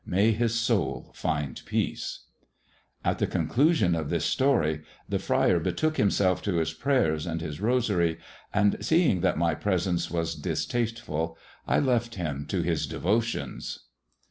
May his soul find peace I " At the conclusion of this story tJie fri&r betook himself J to his prayers and his rosary; and, seeing that my presence I was distasteful, I left him to his devotions.